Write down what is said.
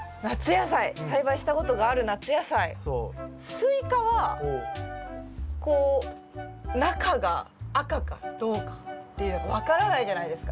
スイカはこう中が赤かどうかっていうの分からないじゃないですか。